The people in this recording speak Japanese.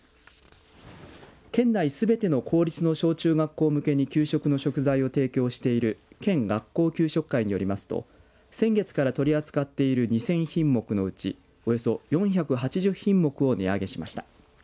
県内すべての公立の小中学校向けに給食の食材を提供している県学校給食会によりますと先月から取り扱っている２０００品目のうちおよそ４８０品目を値上げしました。